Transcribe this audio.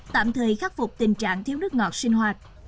tạm thời khắc phục tình trạng thiếu nước ngọt sinh hoạt